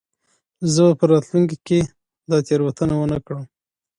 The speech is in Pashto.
زه به په راتلونکې کې دا تېروتنه ونه کړم.